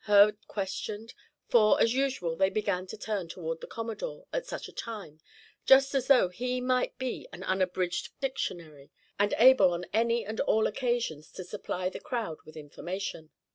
Herb questioned; for, as usual they began to turn toward the Commodore at such a time, just as though he might be an unabridged dictionary, and able on any and all occasions to supply the crowd with information.